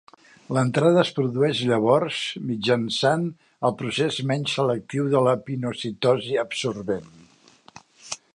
L'entrada es produeix llavors mitjançant el procés menys selectiu de la pinocitosi absorbent.